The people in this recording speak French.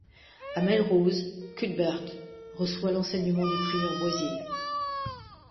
À Melrose, Cuthbert reçoit l'enseignement du prieur Boisil.